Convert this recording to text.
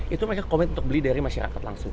itu mereka komit untuk beli dari masyarakat langsung